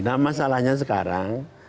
nah masalahnya sekarang